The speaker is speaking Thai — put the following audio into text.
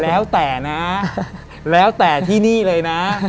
แล้วแต่นะแล้วแต่ที่นี่เลยนะ